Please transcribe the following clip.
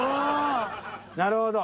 なるほど。